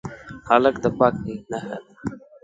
هلک د پاک نیت نښه ده.